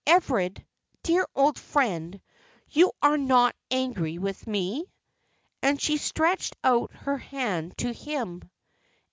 "Everard, dear old friend, you are not angry with me?" and she stretched out her hand to him.